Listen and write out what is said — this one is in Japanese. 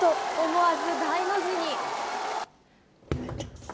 思わず大の字に。